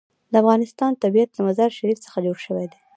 د افغانستان طبیعت له مزارشریف څخه جوړ شوی دی.